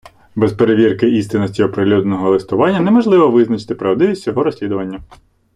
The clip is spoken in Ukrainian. Без перевірки істинності оприлюдненого листування неможливо визначити правдивість всього розслідування.